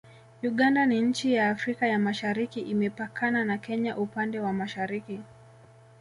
Uganda ni nchi ya Afrika ya Mashariki Imepakana na Kenya upande wa mashariki